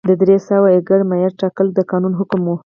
د درې سوه ایکره معیار ټاکل د قانون حکم و.